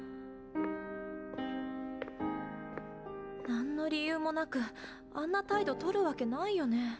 何の理由もなくあんな態度とるわけないよね。